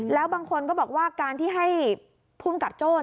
แล้วบางคนก็บอกว่าการที่ให้ภูมิกับโจ้